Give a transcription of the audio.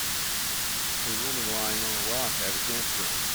A woman lying on a rock at a campground.